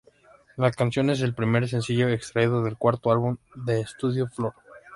La canción es el primer sencillo extraído del cuarto álbum de estudio "Fore!